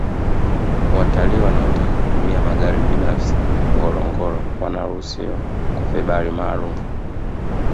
watalii wanaotaka kitumia magari binafsi ngorongoro wanaruhusiwa kwa vibali maalumu